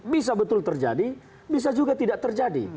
bisa betul terjadi bisa juga tidak terjadi